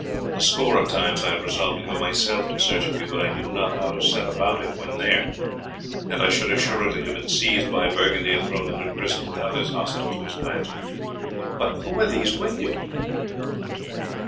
A score of times I have resolved to go myself in search of you, but I knew not how to set about it when there, and I should assuredly have been seized by Burgundy and thrown into prison with others hostile to his plans. But who are these with you?"